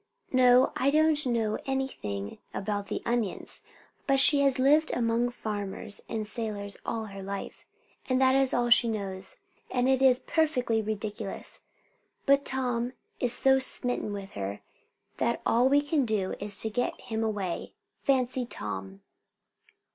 No; I don't know anything about the onions; but she has lived among farmers and sailors all her life, and that is all she knows. And it is perfectly ridiculous, but Tom is so smitten with her that all we can do is to get him away. Fancy, Tom!"